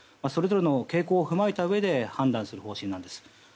それぞれの傾向を踏まえたうえで判断する方針です。